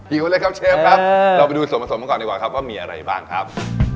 หิวเลยครับเชฟครับเราไปดูส่วนผสมกันก่อนดีกว่าครับว่ามีอะไรบ้างครับ